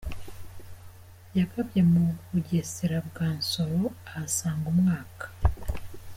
yagabye mu Bugesera bwa Nsoro; ahasaga umwaka.